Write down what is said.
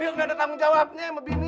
dia gak ada tanggung jawabnya sama bini